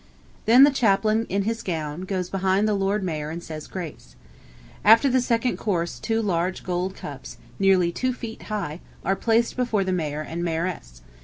Then the chaplain in his gown, goes behind the Lord Mayor and says grace. After the second course two large gold cups, nearly two feet high, are placed before the Mayor and Mayoress.